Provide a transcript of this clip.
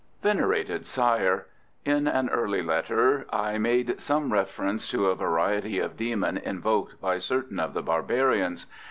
Venerated Sire, In an early letter I made some reference to a variety of demon invoked by certain of the barbarians.